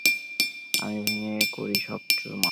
আমি ভেঙে করি সব চুরমার।